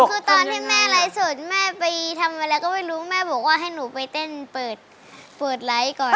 คือตอนที่แม่ไลฟ์สดแม่ไปทำอะไรก็ไม่รู้แม่บอกว่าให้หนูไปเต้นเปิดไลค์ก่อน